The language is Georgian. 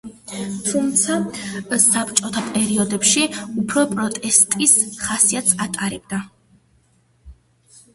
თუმცა საბჭოთა პერიოდში უფრო პროტესტის ხასიათს ატარებდა.